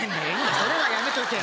それはやめとけよ